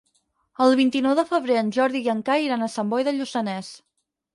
El vint-i-nou de febrer en Jordi i en Cai iran a Sant Boi de Lluçanès.